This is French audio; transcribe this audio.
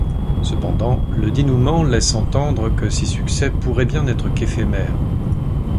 Cependant, le dénouement laisse entendre que ces succès pourraient bien n'être qu'éphémères.